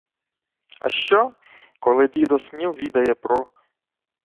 — А що, коли дідо Сміл відає про...